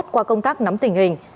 qua công tác nắm tình hình